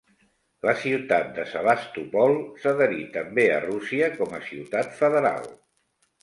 La ciutat de Sebastòpol s'adherí també a Rússia com a Ciutat Federal.